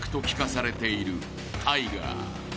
聞かされているタイガー］